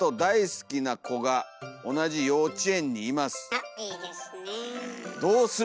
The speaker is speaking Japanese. あっいいですねえ。